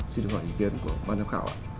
xin được gọi ý kiến của ban giám khảo ạ